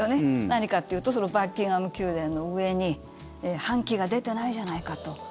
何かっていうとバッキンガム宮殿の上に半旗が出てないじゃないかと。